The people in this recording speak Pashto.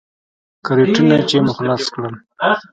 کرېټونه چې مو خلاص کړل.